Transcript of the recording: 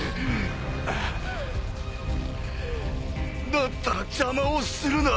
だったら邪魔をするな。